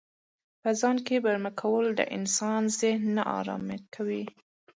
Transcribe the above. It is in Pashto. په څاه کې برمه کول د انسان ذهن نا ارامه کوي.